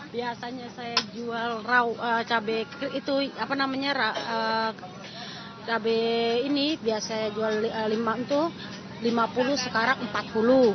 biasanya saya jual cabai ini rp lima puluh sekarang rp empat puluh